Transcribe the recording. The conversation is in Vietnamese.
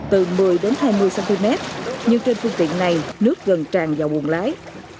từ một mươi đến hai mươi cm nhưng trên phương tiện này nước gần tràn vào buồn lái